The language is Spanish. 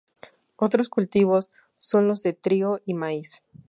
Otros cultivos son los de trigo y maíz.